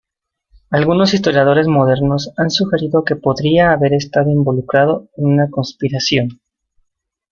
Algunos historiadores modernos han sugerido que podría haber estado involucrado en una conspiración.